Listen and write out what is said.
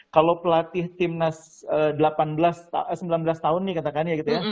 kalau pelatih tim nas delapan belas sembilan belas tahun nih katakan ya gitu ya